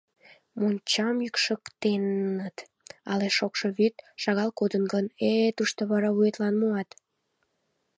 Мончам йӱкшыктеныт, але шокшо вӱд шагал кодын гын, э-э тушто вара вуетлан муат.